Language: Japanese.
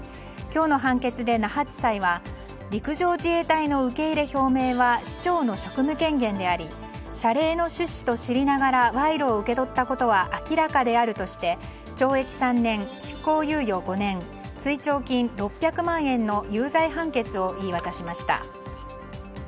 今日の判決で那覇地裁は陸上自衛隊の受け入れ表明は市長の職務権限であり謝礼の趣旨と知りながら賄賂を受け取ったことは明らかであるとして懲役３年、執行猶予５年追徴金６００万円の有罪判決を言い渡しました。